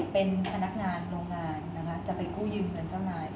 เป็นพนักงานโรงงานนะคะจะไปกู้ยืมเงินเจ้านาย